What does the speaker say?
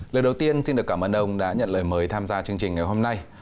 lời đầu tiên xin được cảm ơn ông đã nhận lời mời tham gia chương trình ngày hôm nay